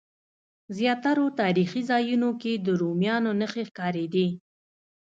زیاترو تاریخي ځایونو کې د رومیانو نښې ښکارېدې.